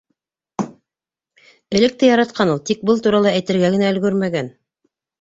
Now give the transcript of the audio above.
Элек тә яратҡан ул, тик был турала әйтергә генә өлгөрмәгән.